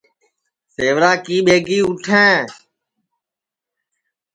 سیورا کی ٻیگی اُٹھیں